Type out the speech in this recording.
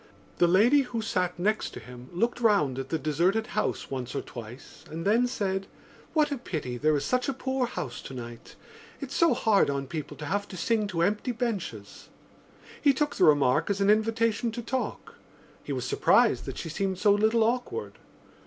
The lady who sat next him looked round at the deserted house once or twice and then said: "What a pity there is such a poor house tonight! It's so hard on people to have to sing to empty benches." He took the remark as an invitation to talk. He was surprised that she seemed so little awkward.